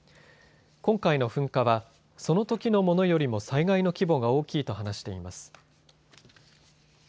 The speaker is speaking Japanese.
今回の噴火はそのときのものよりも災害の規模が大きいと話しています。